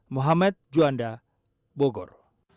mohamad juanda bogor